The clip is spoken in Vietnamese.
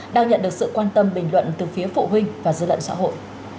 đang nhận được sự quan tâm bình luận từ phía phụ huynh và dân lận xã hội